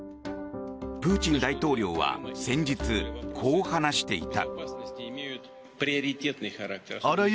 プーチン大統領は先日こう話していた。